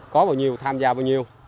có bao nhiêu tham gia bao nhiêu